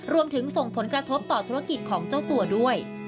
ส่งผลกระทบต่อธุรกิจของเจ้าตัวด้วย